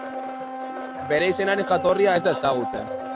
Bere izenaren jatorria ez da ezagutzen.